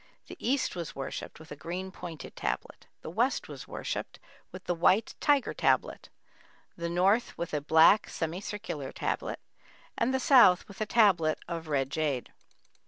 The East was worshipped with a green pointed tablet; the West was worshipped with the white "tiger tablet"; the North with a black, semi circular tablet, and the South with a tablet of red jade.